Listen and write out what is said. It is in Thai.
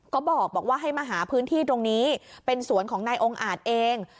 ก็บอกว่าให้มาหาพื้นที่ตรงนี้เป็นสวนของนายองค์อาจเอง